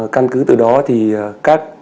căn cứ từ đó thì các